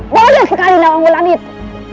bodoh sekali nafung ulang itu